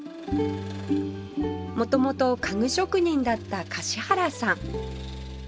元々家具職人だった樫原さん